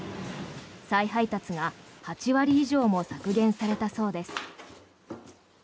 再配達が８割以上も削減されたそうです。